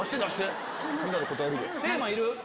テーマいる？